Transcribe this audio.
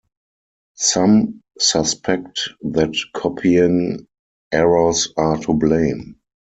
Some suspect that copying errors are to blame.